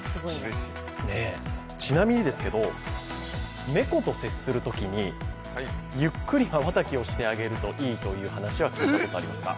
ちなみに、猫と接するときにゆっくりまばたきしてあげるといいという話は聞いたことがありますか？